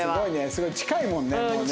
すごい近いもんねもうね。